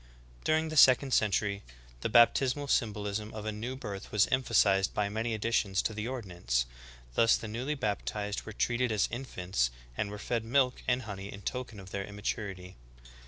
''' 12. During the second century the baptismal symbolism of a new birth was emphasized by many additions to the ordinance; thus the newly baptized were treated as infants and were fed milk and honey in token of their immaturity.